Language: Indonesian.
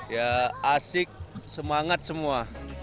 ya asik semangat semua